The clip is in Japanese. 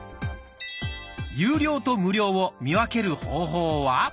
有料と無料を見分ける方法は。